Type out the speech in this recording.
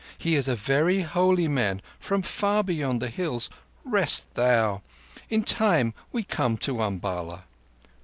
He is a very holy man, from far beyond the Hills. Rest, thou. In time we come to Umballa."